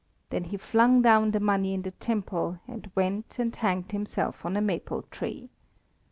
Then he flung down the money in the Temple, and went and hanged himself on a maple tree.